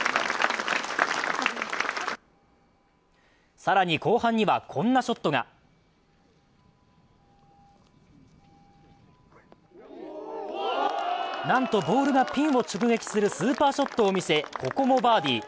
更に、後半にはこんなショットがなんとボールがピンを直撃するスーパーショットを見せ、ここもバーディー。